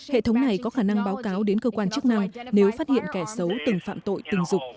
hệ thống này có khả năng báo cáo đến cơ quan chức năng nếu phát hiện kẻ xấu từng phạm tội tình dục